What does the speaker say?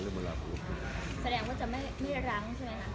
เสียงไม่แหว่ง